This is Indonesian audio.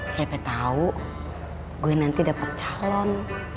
siapa tahu gue nanti dapat calon